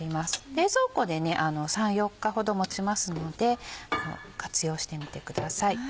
冷蔵庫で３４日ほど持ちますので活用してみてください。